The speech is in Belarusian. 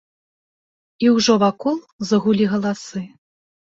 І ўжо вакол загулі галасы.